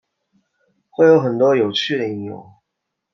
会有很多有趣的应用